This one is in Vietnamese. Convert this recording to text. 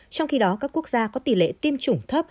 trong khi đó các quốc gia có tỷ lệ tiêm chủng thấp